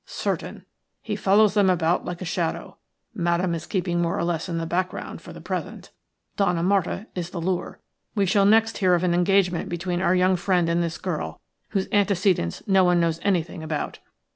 "Certain. He follows them about like a shadow. Madame is keeping more or less in the background for the present. Donna Marta is the lure. We shall next hear of an engagement between our young friend and this girl, whose antecedents no one knows anything about.